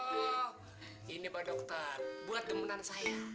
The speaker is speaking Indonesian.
oh ini pak dokter buat gemen saya